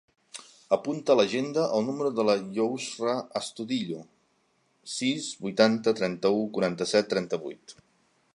Apunta a l'agenda el número de la Yousra Astudillo: sis, vuitanta, trenta-u, quaranta-set, trenta-vuit.